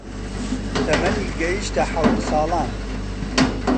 تەمەنی گەیشتە حەوت ساڵان